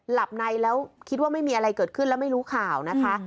หลับในแล้วคิดว่าไม่มีอะไรเกิดขึ้นแล้วไม่รู้ข่าวนะคะ